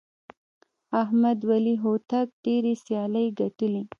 احمد ولي هوتک ډېرې سیالۍ ګټلي.